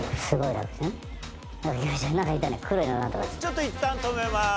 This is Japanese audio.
ちょっといったん止めます。